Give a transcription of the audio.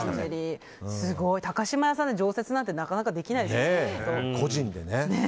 すごい、高島屋さんで常設なんてなかなかできないですよ。